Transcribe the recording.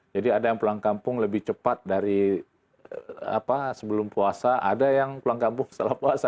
jadi ada yang pulang kampung lebih cepat dari sebelum puasa ada yang pulang kampung setelah puasa